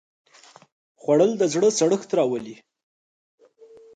خوړل د زړه سړښت راولي